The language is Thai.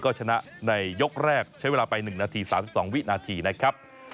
ก็ชนะในยกแรกใช้เวลาไป๑นาที๓๒วินาทีนะครับ